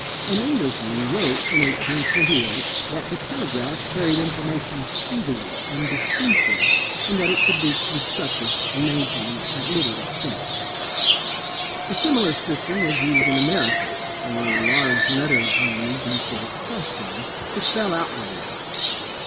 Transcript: OF 1840 2IO INVENTIONS OF PRINTING AND COMMUNICATION An Englishman wrote in 1828 that the telegraph carried information speedily and distinctly, and that it could be constructed and maintained at little expense. A similar system was used in America, only large letters were used instead of crossbeams, to spell out the words.